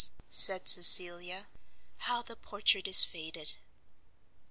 said Cecilia, "how the portrait is faded!"